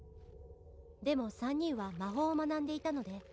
「でも３人は魔法を学んでいたので」